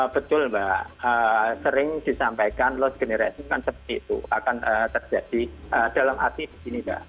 betul mbak sering disampaikan lost generation kan seperti itu akan terjadi dalam arti begini mbak